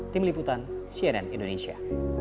tim liputan cnn indonesia